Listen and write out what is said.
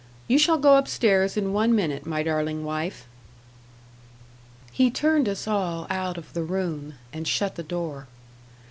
You shall go up stairs in one minute, my darling wife!" He turned us all out of the room, and shut the door.